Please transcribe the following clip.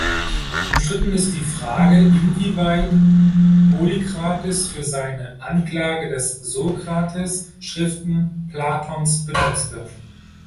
Umstritten ist die Frage, inwieweit Polykrates für seine "Anklage des Sokrates" Schriften Platons benutzte.